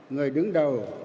người đứng đầu